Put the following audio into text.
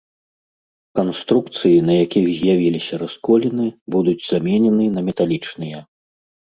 Канструкцыі, на якіх з'явіліся расколіны, будуць заменены на металічныя.